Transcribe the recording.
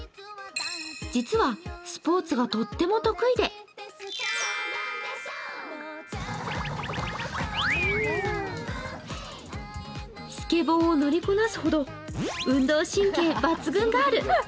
実はスポーツがとっても得意でスケボーを乗りこなすほど運動神経抜群ガール。